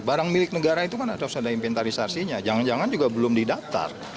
barang milik negara itu kan harus ada inventarisasinya jangan jangan juga belum didaftar